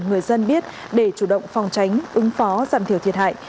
người dân biết để chủ động phòng tránh ứng phó giảm thiểu thiệt hại